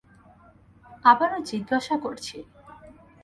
আবারো জিজ্ঞাসা করছি।